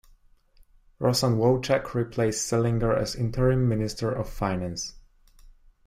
Rosann Wowchuk replaced Selinger as interim Minister of Finance.